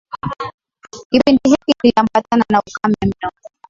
Kipindi hiki kiliambatana na ukame mno